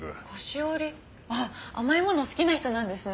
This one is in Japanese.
ああ甘いもの好きな人なんですね。